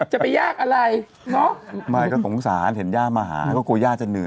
จนก็ต้องรอว่าจะไปหาพ่อก่อน